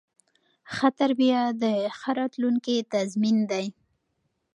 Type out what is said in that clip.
ښه تربیه د ښه راتلونکي تضمین دی.